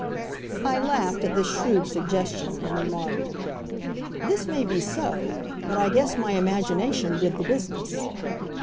I laughed at this shrewd suggestion, and remarked: "This may be so, but I guess my imagination did the business!"